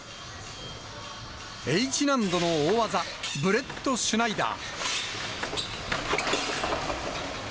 Ｈ難度の大技、ブレットシュナイダー。